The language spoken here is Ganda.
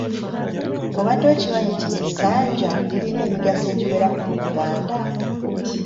Obadde okimanyi nti essanja lirina emigaso egiwerako mu Buganda.